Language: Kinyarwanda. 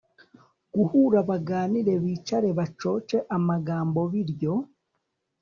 guhura baganire bicare bacoce amagambo biryo